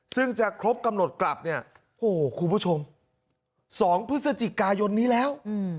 ซึ่งจะครบกำหนดกลับเนี่ยโอ้โหคุณผู้ชม๒พฤศจิกายนนี้แล้ว